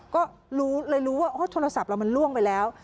ก็เลยรู้ว่าโทรศัพท์เรามันล่วงไปแล้ว